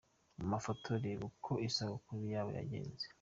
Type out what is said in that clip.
Mu mafoto, reba uko isabukuru ya Babo yagenze.